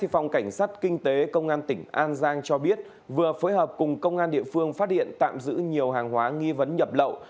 phòng cảnh sát kinh tế công an tỉnh an giang cho biết vừa phối hợp cùng công an địa phương phát hiện tạm giữ nhiều hàng hóa nghi vấn nhập lậu